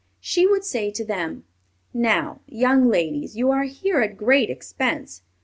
She would say to them: "Now, young ladies, you are here at great expense.